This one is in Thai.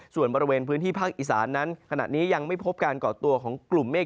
ส่วนบริเวณพื้นที่ภาคอีสานนั้นขณะนี้ยังไม่พบการก่อตัวของกลุ่มเมฆ